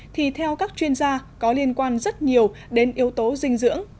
thì theo các chuyên gia có liên quan rất nhiều đến yếu tố dinh dưỡng